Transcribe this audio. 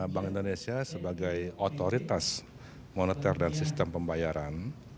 bank indonesia sebagai otoritas moneter dan sistem pembayaran